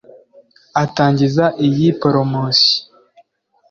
Atangiza iyi poromosiyo